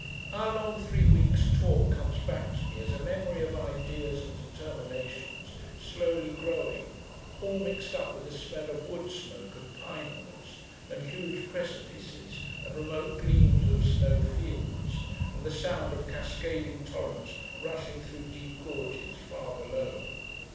Our long three weeks' talk comes back to me as a memory of ideas and determinations slowly growing, all mixed up with a smell of wood smoke and pine woods and huge precipices and remote gleams of snow fields and the sound of cascading torrents rushing through deep gorges far below.